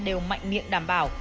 đều mạnh miệng đảm bảo